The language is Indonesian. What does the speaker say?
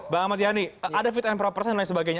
bang ahmad yani ada fit and propers dan lain sebagainya